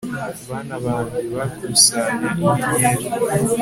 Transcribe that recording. Bana banjye bakusanya inyenyeri